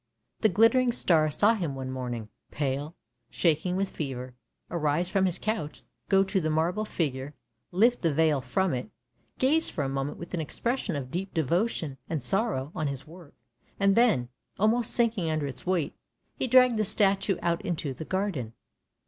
The glittering star saw him one morning, pale, shaking with fever, arise from his couch, go to the marble figure, lift the veil from it, gaze for a moment with an expression of deep devotion and sorrow on his work, and then, almost sinking under its weight he dragged the statue out into the garden.